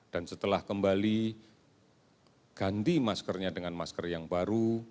dan setelah kembali ganti maskernya dengan masker yang baru